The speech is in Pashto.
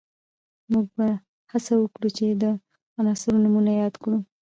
موږ به هڅه وکړو چې د عناصرو نومونه یاد کړو